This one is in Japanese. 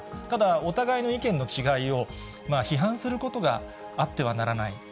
ただ、お互いの意見の違いを批判することがあってはならない。